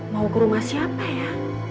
mau ke rumah siapa ya